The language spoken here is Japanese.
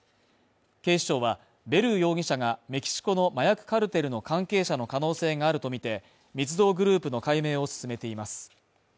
警視庁はベルー容疑者が、メキシコの麻薬カルテルの関係者の可能性があるとみて、密造グループの解明を進めています。